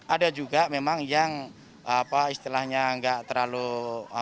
ada juga memang yang istilahnya ngejala